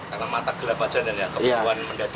karena mata gelap aja dan kebun kebun mendadak